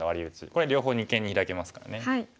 これ両方二間にヒラけますからね。